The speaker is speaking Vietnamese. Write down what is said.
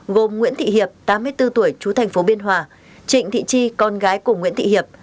gồm nguyễn thị hiệp tám mươi bốn tuổi chú thành phố biên hòa trịnh thị chi con gái của nguyễn thị hiệp